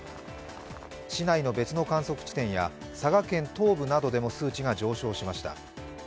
市内の別の観測地点や佐賀県東部などでも数値が上昇しました。